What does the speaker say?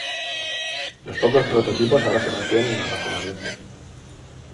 Los pocos prototipos ahora se mantienen en almacenamiento.